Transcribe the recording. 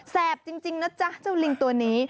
จริงนะจ๊ะเจ้าลิงตัวนี้